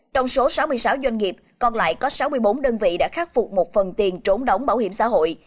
trong số sáu mươi sáu doanh nghiệp còn lại có sáu mươi bốn đơn vị đã khắc phục một phần tiền trốn đóng bảo hiểm xã hội